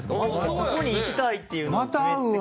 ここに行きたいっていうのを。